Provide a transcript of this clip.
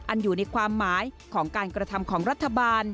อยู่ในความหมายของการกระทำของรัฐบาล